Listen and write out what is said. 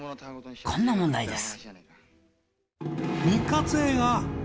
こんな問題です